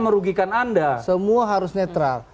merugikan anda semua harus netral